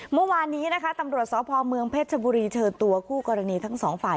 เมื่อวานนี้นะคะตำรวจสพเมืองเพชรบุรีเชิญตัวคู่กรณีทั้งสองฝ่าย